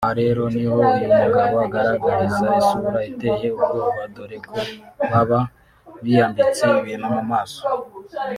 Aha rero niho uyu mugabo agaragariza isura iteye ubwoba dore ko baba biyambitse ibintu mu maso